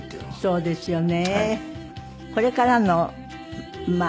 そうなんですよね。